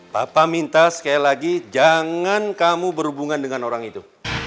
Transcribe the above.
papa minta sekali lagi jangan kamu berhubungan dengan orang itu